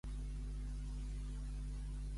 Què ha de fer el Govern espanyol, segons Tardà?